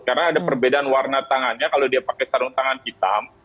karena ada perbedaan warna tangannya kalau dia pakai sarung tangan hitam